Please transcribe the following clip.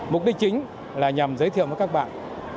mục đích chính là nhằm giới thiệu với các bạn